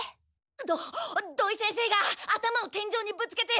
ど土井先生が頭を天井にぶつけてケガしちゃって。